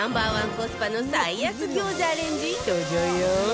コスパの最安餃子アレンジ登場よ